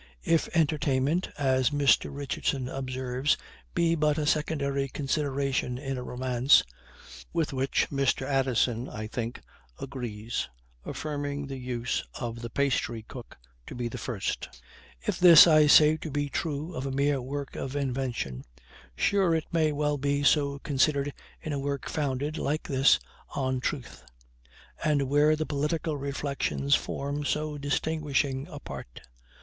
If entertainment, as Mr. Richardson observes, be but a secondary consideration in a romance; with which Mr. Addison, I think, agrees, affirming the use of the pastry cook to be the first; if this, I say, be true of a mere work of invention, sure it may well be so considered in a work founded, like this, on truth; and where the political reflections form so distinguishing a part.